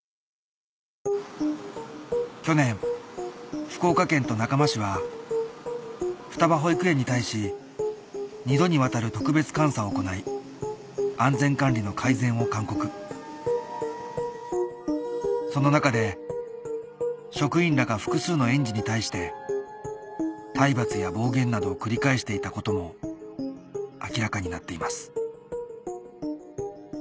去年福岡県と中間市は双葉保育園に対し２度にわたる特別監査を行い安全管理の改善を勧告その中で職員らが複数の園児に対して体罰や暴言などを繰り返していたことも明らかになっています